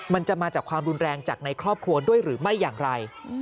มันจะมาจากความรุนแรงจากในครอบครัวด้วยหรือไม่อย่างไร